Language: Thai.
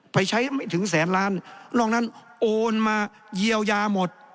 ไปใช้ไม่ถึงแสนล้านนอกนั้นโอนมาเยียวยาหมด